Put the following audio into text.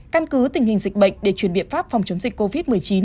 căn cứ tình hình dịch bệnh để chuyển biện pháp phòng chống dịch covid một mươi chín